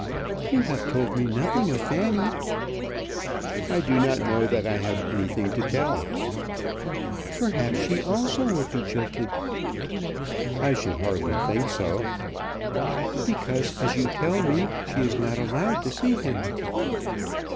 "You have told me nothing of Fanny." "I do not know that I have anything to tell." "Perhaps she also will be jilted." "I should hardly think so." "Because, as you tell me, she is not allowed to see him."